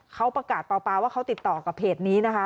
เขาประกาศเปล่าว่าเขาติดต่อกับเพจนี้นะคะ